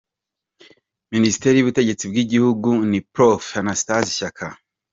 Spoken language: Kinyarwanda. Ministre y’ubutegetsi bw’igihugu ni Prof Anastase Shyaka